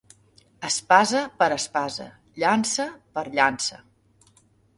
Espasa per espasa, llança per llança.